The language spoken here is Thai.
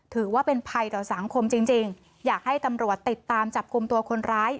ถือว่าเป็นภัยต่อสังคมจริงจริงอยากให้ตำรวจติดตามจับกลุ่มตัวคนร้าย